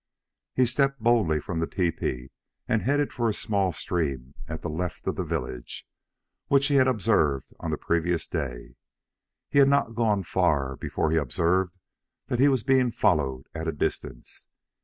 He stepped boldly from the tepee and headed for a small stream at the left of the village, which he had observed on the previous day. He had not gone far before he observed that he was being followed at a distance.